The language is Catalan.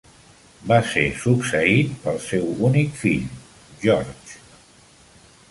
Va ser succeït pel seu únic fill, George.